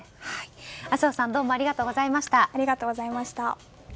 麻生さん、どうもありがとうございました。